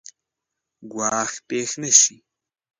ګواښ پېښ نه شي.